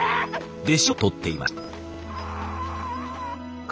弟子を取っていましたああ！